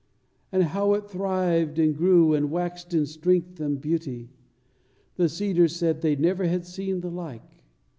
And how it thrived and grew, and waxed in strength and beauty! The cedars said they never had seen the like.